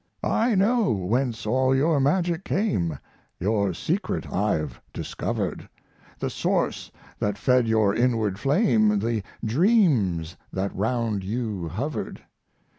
I know whence all your magic came, Your secret I've discovered, The source that fed your inward flame, The dreams that round you hovered.